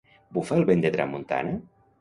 Bufa el vent de tramuntana?